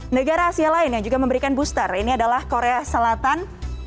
negara asia lain yang juga memberikan booster ini adalah korea selatan